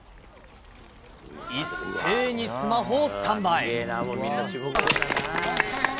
一斉にスマホをスタンバイ。